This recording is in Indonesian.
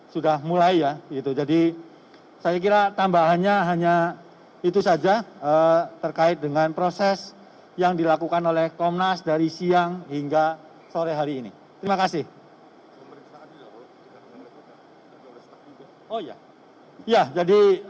ya jadi tambahan saja